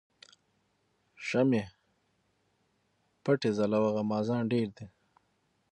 شمعی پټي ځلوه غمازان ډیر دي